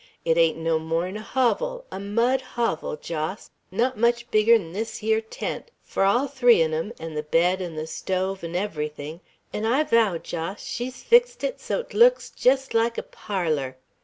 It ain't no more'n a hovel, a mud hovel, Jos, not much bigger'n this yer tent, fur all three on 'em, an' the bed an' the stove an' everythin'; an' I vow, Jos, she's fixed it so't looks jest like a parlor!